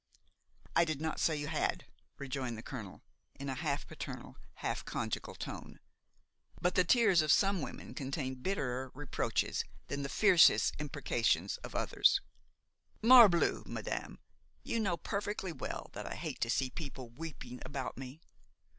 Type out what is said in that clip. "I did not say that you had," rejoined the colonel in a half paternal, half conjugal tone; "but the tears of some women contain bitterer reproaches than the fiercest imprecations of others. Morbleu! madame, you know perfectly well that I hate to see people weeping about me."